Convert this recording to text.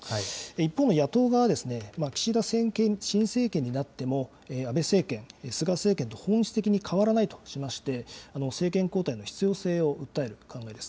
一方の野党側は、岸田新政権になっても、安倍政権、菅政権と本質的に変わらないとしまして、政権交代の必要性を訴える考えです。